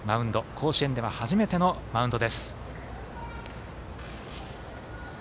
甲子園では初めてのマウンドです。